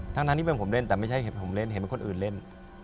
ทั้งที่เป็นผมเล่นแต่ไม่ใช่ผมเล่นเห็นเป็นคนอื่นเล่น